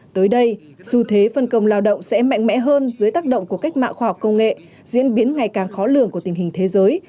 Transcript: tới đây xu thế phân công lao động sẽ mạnh mẽ hơn dưới tác động của cách mạng khoa học công nghệ diễn biến ngày càng khó lường của tình hình thế giới